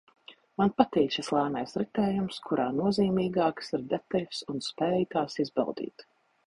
Man patīk šis lēnais ritējums, kurā nozīmīgākas ir detaļas un spēja tās izbaudīt